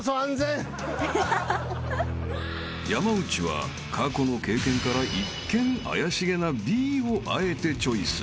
［山内は過去の経験から一見怪しげなＢをあえてチョイス］